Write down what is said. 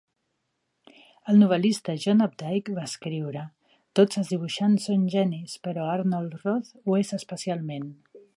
El novel·lista, John Updike, va escriure: "Tots els dibuixants són genis, però Arnold Roth ho és especialment".